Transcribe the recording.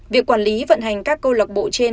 việc quản lý vận hành các câu lạc bộ trên